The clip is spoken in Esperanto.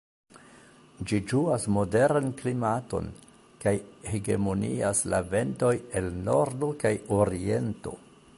Ĝi ĝuas moderan klimaton, kaj hegemonias la ventoj el nordo kaj oriento.